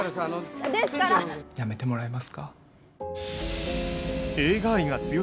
辞めてもらえますか。